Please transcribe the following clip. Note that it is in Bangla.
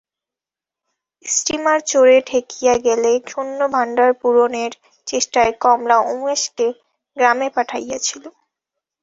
স্টীমার চরে ঠেকিয়া গেলে, শূন্যভাণ্ডারপূরণের চেষ্টায় কমলা উমেশকে গ্রামে পাঠাইয়াছিল।